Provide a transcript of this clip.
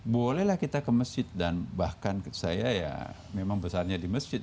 bolehlah kita ke masjid dan bahkan saya ya memang besarnya di masjid